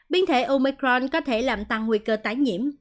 biến thể omicron có thể làm tăng nguy cơ tái nhiễm